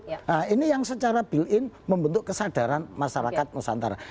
nah ini yang secara buil in membentuk kesadaran masyarakat nusantara